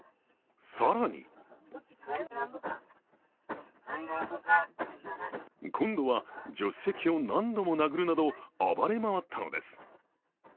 更に今度は助手席を何度も殴るなど暴れ回ったのです。